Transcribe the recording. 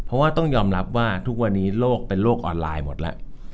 เพราะว่าต้องยอมรับว่าทุกวันนี้โลกเป็นโลกออนไลน์หมดแล้ว